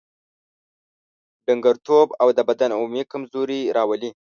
ډنګرتوب او د بدن عمومي کمزوري راولي.